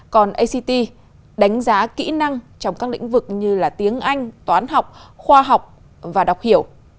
còn act đánh giá kỹ năng trong các lĩnh vực như là tiếng anh toán học khoa học và đọc hiểu